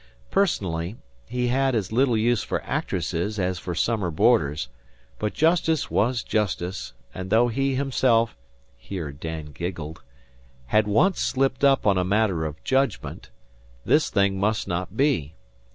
Personally, he had as little use for actresses as for summer boarders; but justice was justice, and though he himself (here Dan giggled) had once slipped up on a matter of judgment, this thing must not be.